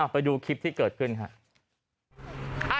ไปดูคลิปที่เกิดขึ้นครับ